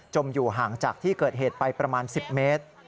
อยู่ห่างจากที่เกิดเหตุไปประมาณ๑๐เมตร